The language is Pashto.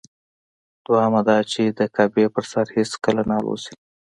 دویمه دا چې د کعبې پر سر هېڅکله نه الوزي.